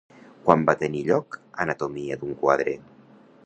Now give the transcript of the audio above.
Quan va tenir lloc Anatomia d'un quadre?